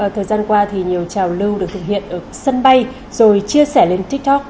thời gian qua thì nhiều trào lưu được thực hiện ở sân bay rồi chia sẻ lên tiktok